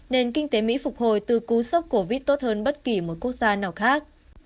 nền kinh tế mỹ phục hồi từ cú sốc covid tốt hơn bất kỳ một quốc gia nào khác